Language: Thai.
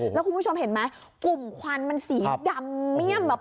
แล้วคุณผู้ชมเห็นไหมกลุ่มควันมันสีดำเมี่ยมแบบ